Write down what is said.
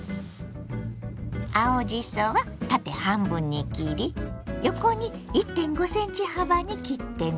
青じそは縦半分に切り横に１．５ｃｍ幅に切ってね。